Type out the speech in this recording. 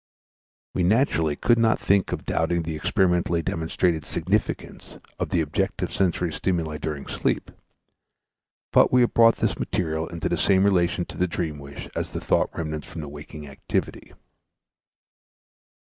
We naturally could not think of doubting the experimentally demonstrated significance of the objective sensory stimuli during sleep; but we have brought this material into the same relation to the dream wish as the thought remnants from the waking activity.